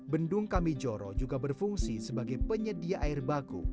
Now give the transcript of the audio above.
bendung kamijoro juga berfungsi sebagai penyedia air baku